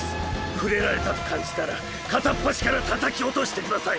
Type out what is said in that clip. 触れられたと感じたら片っ端からたたき落としてください。